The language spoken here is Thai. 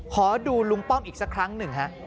ขอดูลุงป้อมอีกสักครั้งหนึ่งฮะ